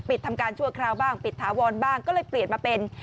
ทำการชั่วคราวบ้างปิดถาวรบ้างก็เลยเปลี่ยนมาเป็น